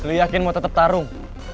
ran lo yakin mau tetep tarung